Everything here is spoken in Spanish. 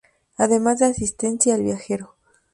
Además de asistencia al viajero.